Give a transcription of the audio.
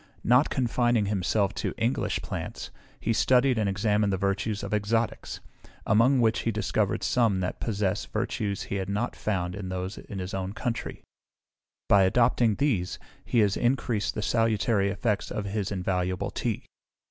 Not confining himself to English Plants, he studied and examined the virtues of Exotics, among which he discovered some that possess virtues he had not found in those of his own country: by adopting these, he has increased the salutary effects of his invaluable tea.